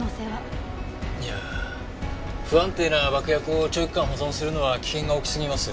いや不安定な爆薬を長期間保存するのは危険が大きすぎます。